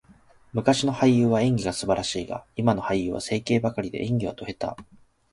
昔の俳優は演技が素晴らしいが、今の俳優は整形ばかりで、演技はド下手。